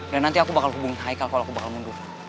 dan nanti aku bakal hubungin haikal kalo aku bakal mundur